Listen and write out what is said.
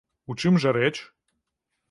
У чым жа рэч?